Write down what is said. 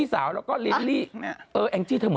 อยากกันเยี่ยม